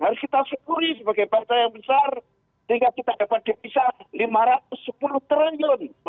harus kita syukuri sebagai bangsa yang besar sehingga kita dapat devisa rp lima ratus sepuluh triliun dua ribu dua puluh satu